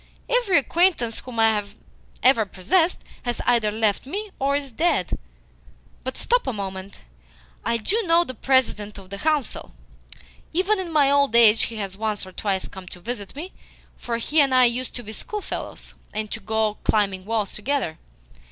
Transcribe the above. Every acquaintance whom I ever possessed has either left me or is dead. But stop a moment. I DO know the President of the Council. Even in my old age he has once or twice come to visit me, for he and I used to be schoolfellows, and to go climbing walls together.